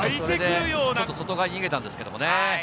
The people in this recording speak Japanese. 外側に逃げたんですけどね。